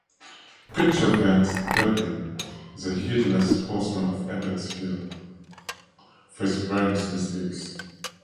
Pitcher Vance dubbed him "the Headless Horseman of Ebbets Field" for his various mistakes.